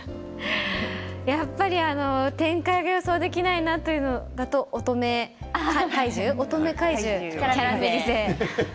やっぱり展開が予想できないなというのだと「乙女怪獣キャラメリゼ」。